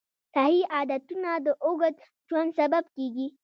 صحي عادتونه د اوږد ژوند سبب کېږي.